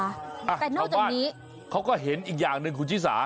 แต่นอกจากนี้อ้าวทางบ้านเขาก็เห็นอีกอย่างหนึ่งคุณชิสา